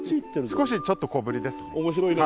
少しちょっと小ぶりですね